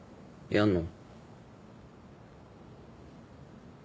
やんの？